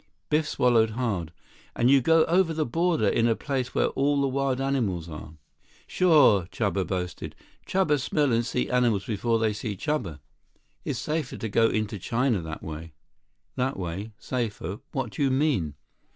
Biff swallowed hard. "And you go over the border in a place where all the wild animals are?" "Sure," Chuba boasted. "Chuba smell and see animals before they see Chuba. Is safer to go into China that way." "That way? Safer? What do you mean?"